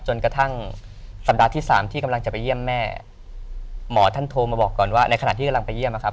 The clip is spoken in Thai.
จนกระทั่งสัปดาห์ที่สามที่กำลังจะไปเยี่ยมแม่หมอท่านโทรมาบอกก่อนว่าในขณะที่กำลังไปเยี่ยมนะครับ